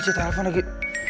siapa sih telfon lagi